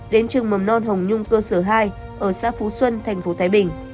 đến trường mầm non hồng nhung cơ sở hai ở xã phú xuân thành phố thái bình